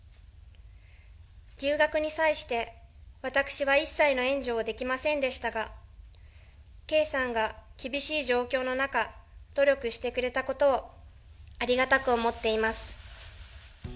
留学に際して、私は一切の援助をできませんでしたが、圭さんが厳しい状況の中、努力してくれたことをありがたく思っています。